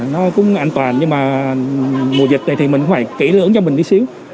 nó cũng an toàn nhưng mà mùa dịch này thì mình cũng phải kỹ lưỡng cho mình đi xíu